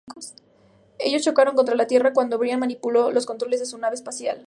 Ellos chocaron contra la Tierra cuando Brian manipuló los controles de su nave espacial.